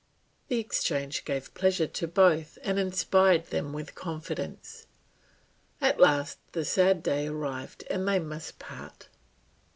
The exchange gave pleasure to both and inspired them with confidence. At last the sad day arrived and they must part.